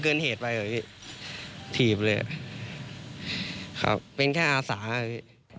ครับเป็นแค่อาสาส